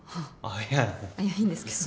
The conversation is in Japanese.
あっいやいいんですけど。